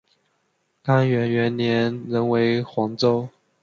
干元元年仍为黄州。